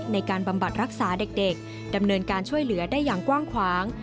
บำบัดรักษาเด็กดำเนินการช่วยเหลือได้อย่างกว้างขวาง